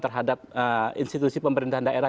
terhadap institusi pemerintahan daerah